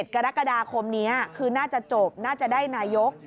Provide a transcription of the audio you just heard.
กรกฎาคมนี้คือน่าจะจบน่าจะได้นายก